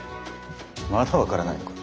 まだ分からないのか。